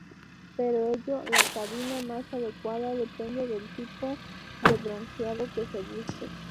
Por ello, la cabina más adecuada depende del tipo de bronceado que se busque.